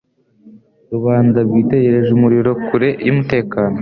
Rubanda rwitegereje umuriro kure yumutekano.